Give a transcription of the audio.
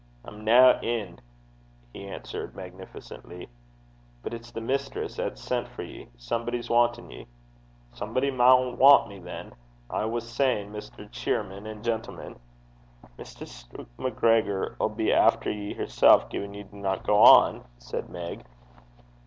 'I'm nae in,' he answered, magnificently. 'But it's the mistress 'at's sent for ye. Somebody's wantin' ye.' 'Somebody maun want me, than. As I was sayin', Mr. Cheerman and gentlemen ' 'Mistress MacGregor 'll be efter ye hersel', gin ye dinna gang,' said Meg.